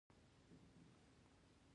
افغانستان د انګور له پلوه متنوع دی.